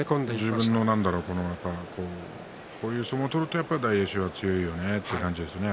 自分のこういう相撲を取ると大栄翔はやっぱり強いよねという感じですよね